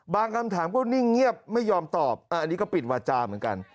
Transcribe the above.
คำถามก็นิ่งเงียบไม่ยอมตอบอันนี้ก็ปิดวาจาเหมือนกัน